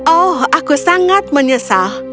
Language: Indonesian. oh aku sangat menyesal